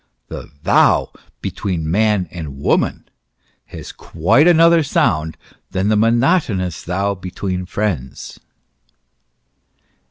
The thou between man and woman has quite another sound, than the monotonous thou between friends.